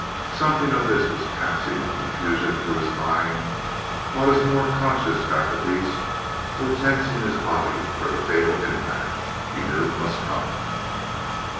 Something of this was passing in confusion through his mind while his more conscious faculties were tensing his body for the fatal impact he knew must come.